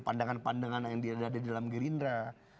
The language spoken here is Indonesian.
pandangan pandangan yang ada di dalam gerindra